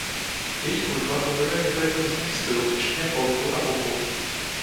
Její hudba kombinuje několik různých stylů včetně folku a popu.